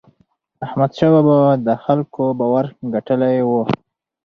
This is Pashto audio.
احمدشاه بابا د خلکو باور ګټلی و.